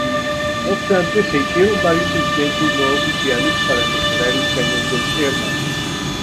No obstante se hicieron varios intentos no oficiales para mejorar el cañón del Sherman.